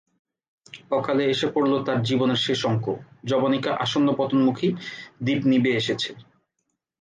অকালে এসে পড়ল তার জীবনের শেষ অঙ্ক, যবনিকা আসন্নপতনমুখী, দীপ নিবে এসেছে।